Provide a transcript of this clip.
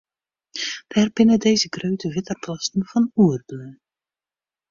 Dêr binne dizze grutte wetterplassen fan oerbleaun.